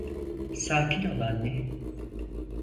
Sakin ol anne.